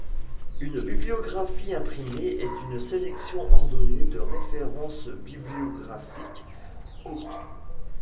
Une bibliographies imprimée est une sélection ordonnée de références bibliographiques courtes.